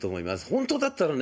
本当だったらね